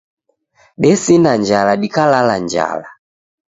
Desinda njala dikalala njala.